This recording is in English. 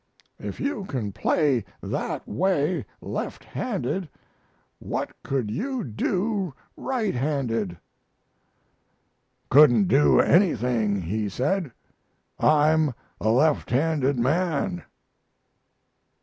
If you can play that way left handed what could you do right handed?' "'Couldn't do anything,' he said. 'I'm a left handed man.'"